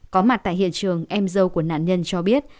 có mặt tại hiện trường em dâu của nạn nhân cho biết